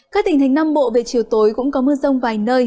các tỉnh thành nam bộ về chiều tối cũng có mưa rông vài nơi